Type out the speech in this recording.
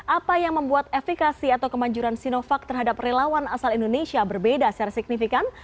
apa yang membuat efekasi atau kemanjuran sinovac terhadap relawan asal indonesia berbeda secara signifikan